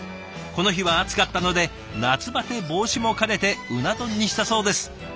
この日は暑かったので夏バテ防止も兼ねてうな丼にしたそうです。